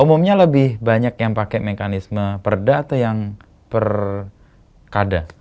umumnya lebih banyak yang pakai mekanisme perda atau yang per kada